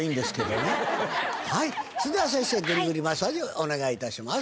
はいそれでは先生グリグリマッサージをお願いいたします。